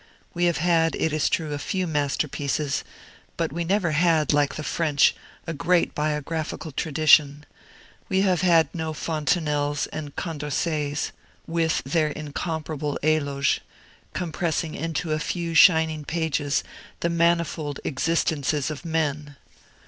We have had, it is true, a few masterpieces, but we have never had, like the French, a great biographical tradition; we have had no Fontenelles and Condorcets, with their incomparable eloges, compressing into a few shining pages the manifold existences of men.